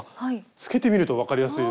つけてみると分かりやすいですよね。